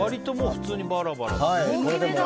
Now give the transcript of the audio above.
普通にバラバラと。